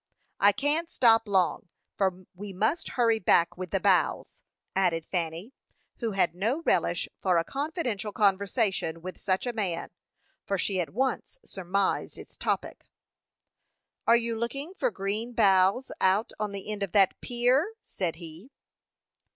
"I can't stop long, for we must hurry back with the boughs," added Fanny, who had no relish for a confidential conversation with such a man, for she at once surmised its topic. "Are you looking for green boughs out on the end of that pier?" said he.